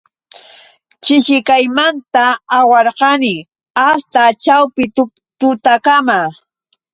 Chishikaymanta awarqani asta ćhawpi tutakama.